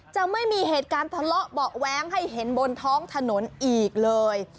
จะไม่มีเหตุการณ์ทะเลาะเบาะแว้งให้เห็นบนท้องถนนอีกเลย